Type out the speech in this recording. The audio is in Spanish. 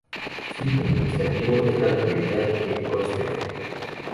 Su centro administrativo es la localidad de Kongsberg.